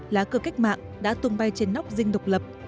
lá cờ cách mạng đã tung bay trên nóc dinh độc lập